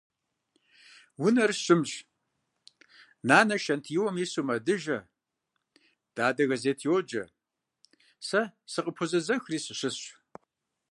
Унэр щымщ. Нанэ шэнтиуэм ису мэдыжэ, дадэ газет йоджэ, сэ сыкъопэзэзэхыри сыщысщ.